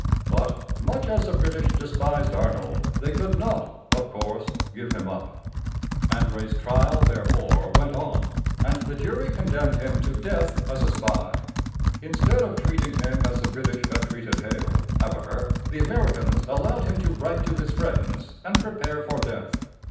But, much as the British despised Arnold, they could not, of course, give him up. André's trial, therefore, went on, and the jury condemned him to death as a spy. Instead of treating him as the British had treated Hale, however, the Americans allowed him to write to his friends and prepare for death.